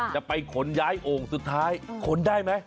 จะไปขนย้ายโอ่งสุดท้ายขนได้ไหม